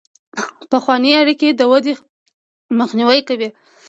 پخوانۍ اړیکې د ودې مخنیوی کوي.